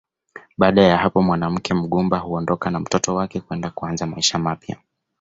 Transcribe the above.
Baada ya hapo mwanamke mgumba huondoka na mtoto wake kwenda kuanza maisha mapya